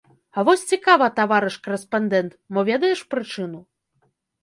А вось цікава, таварыш карэспандэнт, мо ведаеш прычыну.